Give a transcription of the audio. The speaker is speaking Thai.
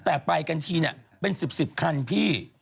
แต่ไปกันทีเนี่ยเป็น๑๐คันพี่